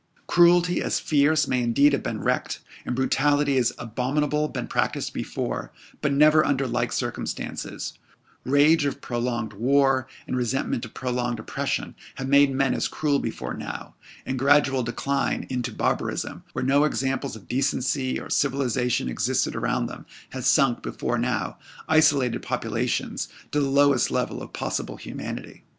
Cruelty as fierce may indeed have been wreaked, and brutality as abominable been practised before, but never under like circumstances; rage of prolonged war, and resentment of prolonged oppression, have made men as cruel before now; and gradual decline into barbarism, where no examples of decency or civilization existed around them, has sunk, before now, isolated populations to the lowest level of possible humanity.